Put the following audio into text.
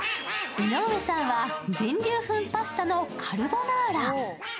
江上さんは全粒粉パスタのカルボナーラ。